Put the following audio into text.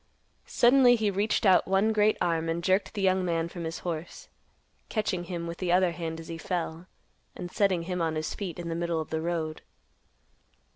Suddenly he reached out one great arm, and jerked the young man from his horse, catching him with the other hand as he fell, and setting him on his feet in the middle of the road.